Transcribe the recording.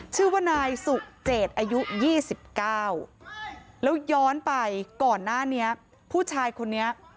ชื่อว่านายสุเจตอายุ๒๙แล้วย้อนไปก่อนหน้านี้ผู้ชายคนนี้